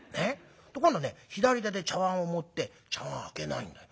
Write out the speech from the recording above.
今度ね左手で茶わんを持って茶わん開けないんだよ。